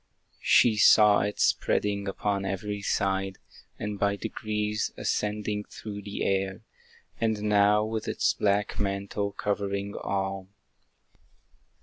She saw it spreading upon every side, And by degrees ascending through the air, And now with its black mantle covering all.